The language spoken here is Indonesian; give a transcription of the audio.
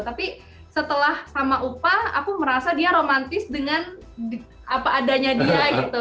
tapi setelah sama upah aku merasa dia romantis dengan apa adanya dia gitu